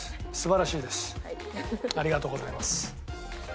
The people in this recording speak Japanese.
ありがとうございます。